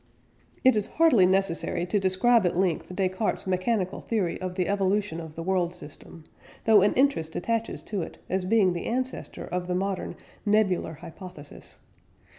It is hardly necessary to describe at length Descartes' mechanical theory of the evolution of the world system, though an interest attaches to it as being the ancestor of the modern "nebular hypothesis."